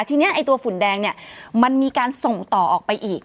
ทีนี้ไอ้ตัวฝุ่นแดงเนี่ยมันมีการส่งต่อออกไปอีก